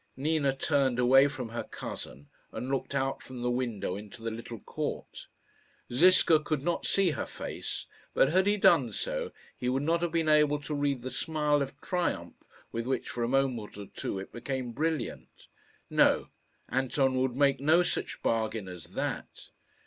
Nina turned away from her cousin and looked out from the window into the little court. Ziska could not see her face; but had he done so he would not have been able to read the smile of triumph with which for a moment or two it became brilliant. No; Anton would make no such bargain as that!